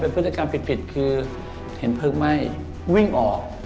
พฤติกรรมปิดคือเห็นเพลิงไหม้วิ่งออก